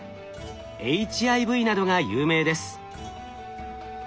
ＨＩＶなどが有名です。